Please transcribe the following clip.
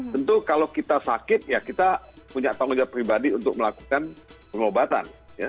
tentu kalau kita sakit ya kita punya tanggung jawab pribadi untuk melakukan pengobatan